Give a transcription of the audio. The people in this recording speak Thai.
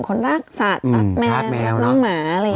คนรักสัตว์รักแมวรักน้องหมา